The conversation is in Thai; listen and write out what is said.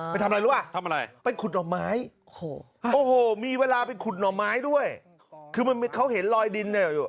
ไปทำอะไรรู้ป่ะทำอะไรไปขุดหน่อไม้โอ้โหมีเวลาไปขุดหน่อไม้ด้วยคือมันเขาเห็นลอยดินเนี่ยอยู่